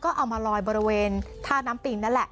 ก็เอามาลอยบริเวณท่าน้ำปิงนั่นแหละ